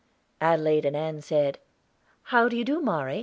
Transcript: Adelaide and Ann said, "How do you do, Mari?"